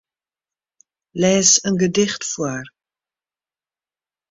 Lês in gedicht foar.